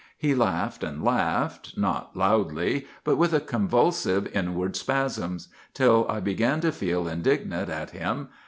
He laughed and laughed, not loudly, but with convulsive inward spasms, till I began to feel indignant at him.